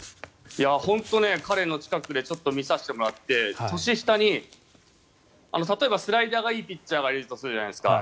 本当に彼の近くで見させてもらって年下に例えばスライダーがいいピッチャーがいるとするじゃないですか。